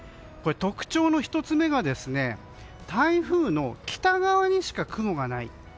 特徴の１つ目が台風の北側にしか雲がない。